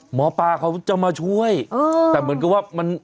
หมอปลาเขาจะมาช่วยแต่เหมือนกับว่ามัน